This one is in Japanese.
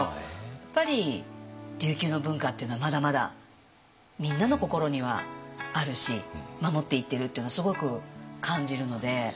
やっぱり琉球の文化っていうのはまだまだみんなの心にはあるし守っていってるっていうのはすごく感じるので。